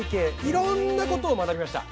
いろんなことを学びました。